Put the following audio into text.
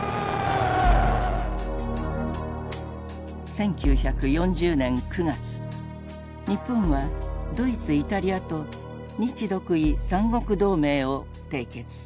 １９４０年９月日本はドイツイタリアと日独伊三国同盟を締結。